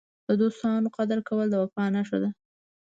د دوستانو قدر کول د وفا نښه ده.